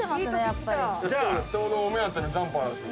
ちょうどお目当てのジャンパーだし。